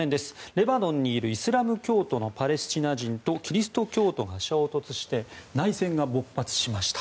レバノンにいるイスラム教のパレスチナ人とキリスト教徒が衝突して内戦が勃発しました。